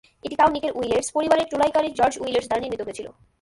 এটি কাউ নেকের উইলেটস পরিবারের চোলাইকারী জর্জ উইলেটস দ্বারা নির্মিত হয়েছিল।